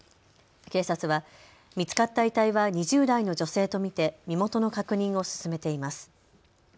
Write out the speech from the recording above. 警察は、見つかった遺体は２０代の女性と見て身元の確認を進めています。